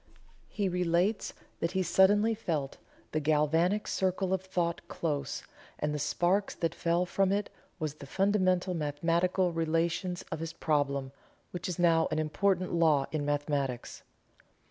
He relates that he suddenly felt "the galvanic circle of thought" close, and the sparks that fell from it was the fundamental mathematical relations of his problem, which is now an important law in mathematics.